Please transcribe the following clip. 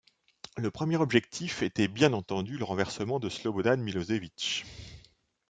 Le premier objectif était bien entendu le renversement de Slobodan Milošević.